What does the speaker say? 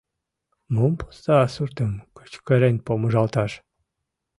Мом пуста суртым кычкырен помыжалташ?